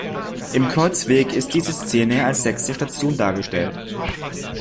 Im Kreuzweg ist diese Szene als sechste Station dargestellt.